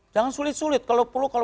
jangan sulit sulit kalau perlu